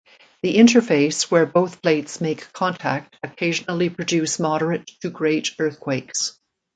The interface where both plates make contact occasionally produce moderate to great earthquakes.